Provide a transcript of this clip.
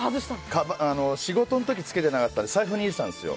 仕事の時に着けてなかった財布に入れてたんですよ。